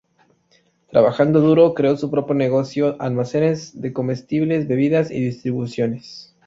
Trabajando duro creó su propio negocio, "Almacenes de Comestibles, Bebidas y Distribuciones".